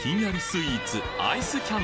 スイーツ